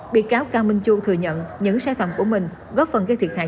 bị cáo cao minh châu thừa nhận những sai phạm của mình góp phần gây thiệt hại